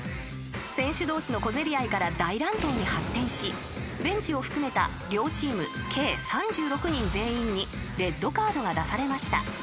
［選手同士の小競り合いから大乱闘に発展しベンチを含めた両チーム計３６人全員にレッドカードが出されました］